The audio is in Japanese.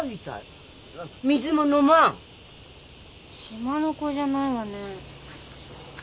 島の子じゃないわね。